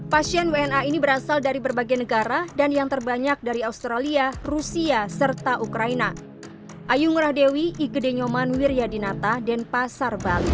pasien wna ini berasal dari berbagai negara dan yang terbanyak dari australia rusia serta ukraina